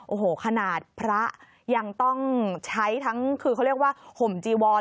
โอ้โหขนาดพระยังต้องใช้ทั้งคือเขาเรียกว่าห่มจีวอน